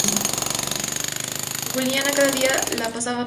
Giuliana cada día la trata peor.